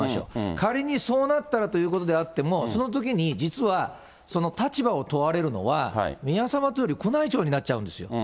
仮にそうなったらということであっても、そのときに実は、その立場を問われるのは、宮さまというより、宮内庁になっちゃうんですよ。